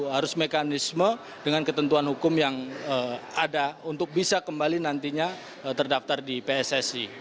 harus mekanisme dengan ketentuan hukum yang ada untuk bisa kembali nantinya terdaftar di pssi